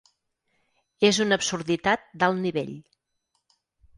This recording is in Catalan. És una absurditat d'alt nivell.